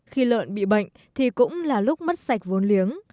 khi lợn bị bệnh thì cũng là lúc mất sạch vốn liếng